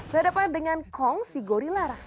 berhadapan dengan kong si gorilla raksasa